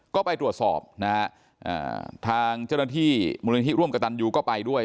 ก็ไปตรวจสอบนะฮะทางเจ้าหน้าที่มูลนิธิร่วมกับตันยูก็ไปด้วย